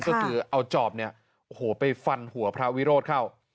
ก็คือเอาจอบไปฟันหัวพระวิโรธเข้า